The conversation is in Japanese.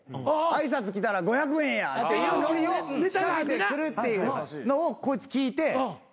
「挨拶来たら５００円や」ってノリを仕掛けてくるっていうのをこいつ聞いて５００円